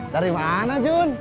dari mana jun